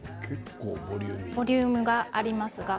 ボリュームがありますね。